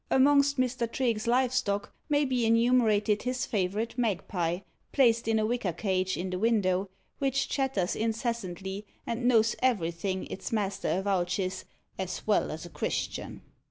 Amongst Mr. Trigge's live stock may be enumerated his favourite magpie, placed in a wicker cage in the window, which chatters incessantly, and knows everything, its master avouches, "as well as a Christian."